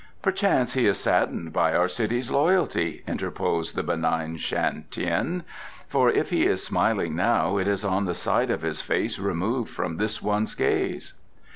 "Perchance he is saddened by our city's loyalty," interposed the benign Shan Tien, "for if he is smiling now it is on the side of his face removed from this one's gaze."